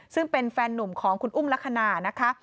ซึ่งเป็นแฟนหนุ่มของคุณอุ้มลักษณะนะคะ